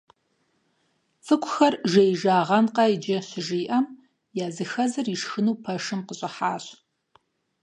ЦӀыкӀухэр жеижагъэнкъэ иджы щыжиӀэм, языхэзыр ишхыну пэшым къыщӀыхьащ.